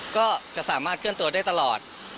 ก็จะสามารถเคลื่อนตัวได้ตลอด